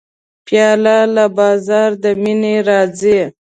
پیاله د بازار له مینې راځي.